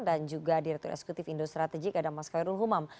dan juga direktur eksekutif indo strategik ada mas khairul humam